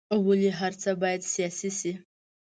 ولې هر څه باید سیاسي شي.